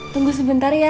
tunggu sebentar ya mak